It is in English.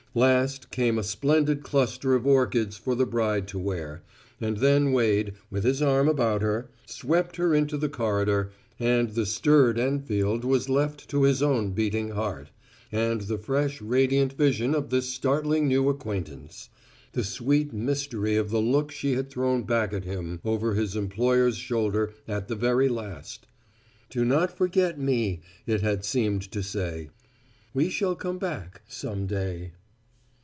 Last, came a splendid cluster of orchids for the bride to wear, and then Wade, with his arm about her, swept her into the corridor, and the stirred Enfield was left to his own beating heart, and the fresh, radiant vision of this startling new acquaintance: the sweet mystery of the look she had thrown back at him over his employer's shoulder at the very last. "Do not forget me!" it had seemed to say. "We shall come back some day."